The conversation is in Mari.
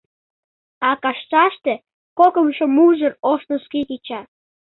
А кашташте кокымшо мужыр ош носки кеча.